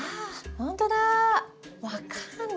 ほんとだ。